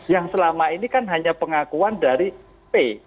yang selama ini kan hanya pengakuan dari p